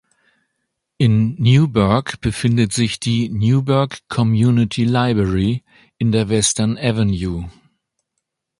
In Newburgh befindet sich die "Newburgh Community Library" in der Western Avenue.